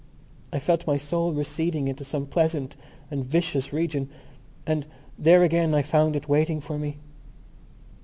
I felt my soul receding into some pleasant and vicious region; and there again I found it waiting for me.